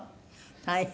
大変。